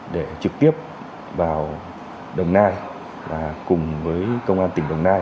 để trực tiếp vào đồng nai và cùng với công an tỉnh đồng nai